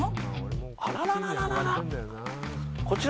あらららら。